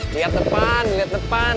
lihat depan lihat depan